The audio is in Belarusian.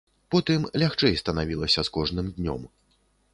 Потым лягчэй станавілася з кожным днём.